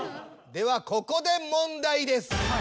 ではここで問題です。